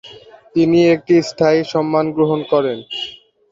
তিনি একটি স্থায়ী সম্মান গ্রহণ করেন।